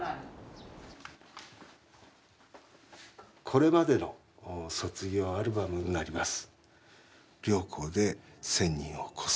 これまでの卒業アルバムになります。